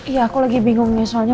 iya aku lagi bingung nih soalnya